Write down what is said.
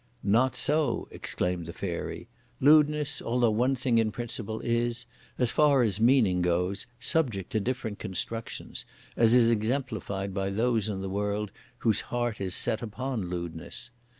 "Not so!" exclaimed the Fairy; "lewdness, although one thing in principle is, as far as meaning goes, subject to different constructions; as is exemplified by those in the world whose heart is set upon lewdness.